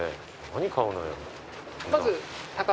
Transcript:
何買うのよ？